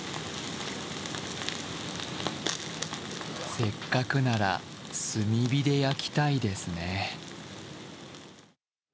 せっかくなら、炭火で焼きたいですね。